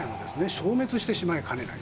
消滅してしまいかねない。